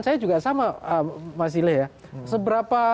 saya juga sama mas ile ya